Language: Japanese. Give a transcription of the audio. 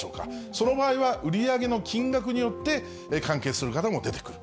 その場合は、売り上げの金額によって関係する方も出てくる、